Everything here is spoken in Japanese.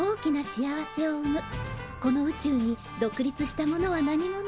この宇宙に独立したものは何もない。